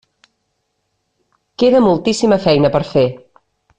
Queda moltíssima feina per fer.